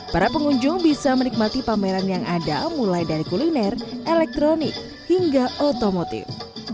para pengunjung bisa menikmati pameran yang ada mulai dari kuliner elektronik hingga otomotif